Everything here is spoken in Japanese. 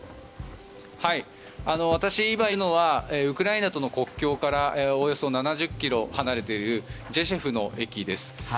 私が今いるのはウクライナとの国境からおよそ７０ｋｍ離れているジェシュフの駅です。